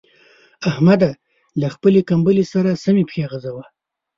احمده! له خپلې کمبلې سره سمې پښې غځوه.